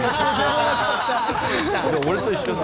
俺と一緒だ。